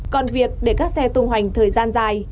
còn việc để các xe tung hoành thời gian dài